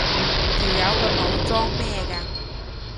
條友個腦裝咩㗎？